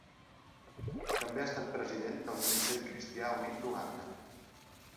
També ha estat president del Consell Cristià Unit d'Uganda.